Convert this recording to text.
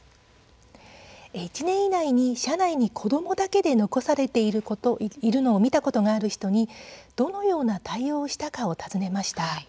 １年以内に車内に子どもだけで残されているのを見たことがある人にどのような対応をしたかを尋ねました。